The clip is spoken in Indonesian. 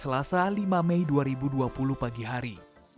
selasa lima mei dua ribu dua puluh pagi hari